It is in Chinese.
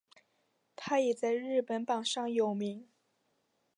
它也在日本榜上有名。